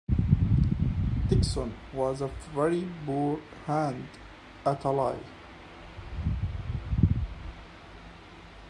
Dickson was a very poor hand at a lie.